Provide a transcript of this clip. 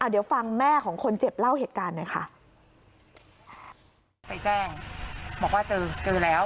เดี๋ยวฟังแม่ของคนเจ็บเล่าเหตุการณ์หน่อยค่ะ